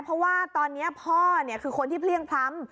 เพราะว่าตอนนี้พ่อคือคนที่เพลี่ยงพล้ำ